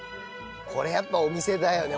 これやっぱお店だよね。